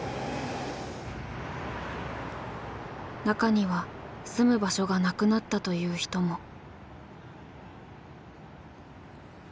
中には住む場所がなくなったという人も。